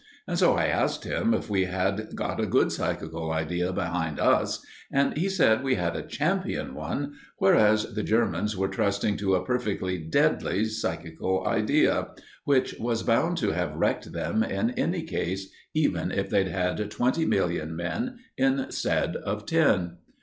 And so I asked him if we had got a good psychical idea behind us, and he said we had a champion one, whereas the Germans were trusting to a perfectly deadly psychical idea, which was bound to have wrecked them in any case even if they'd had twenty million men instead of ten.